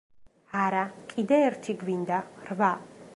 არა, კიდე ერთი გვინდა: რვა.